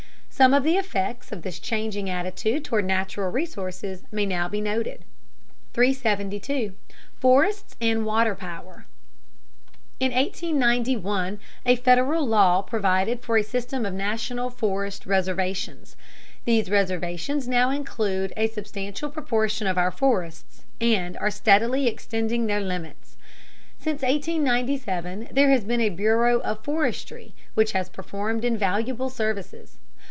Some of the effects of this changing attitude toward natural resources may now be noted. 372. FORESTS AND WATER POWER. In 1891 a Federal law provided for a system of national forest reservations. These reservations now include a substantial proportion of our forests, and are steadily extending their limits. Since 1897 there has been a Bureau of Forestry which has performed invaluable services.